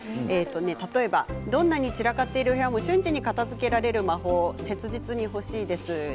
例えばどんなに散らかっている部屋も瞬時に片づけられる魔法切実に欲しいです。